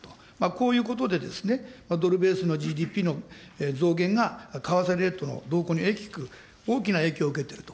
こういうことでですね、ドルベースのＧＤＰの増減が為替レートの動向に大きな影響を受けてると。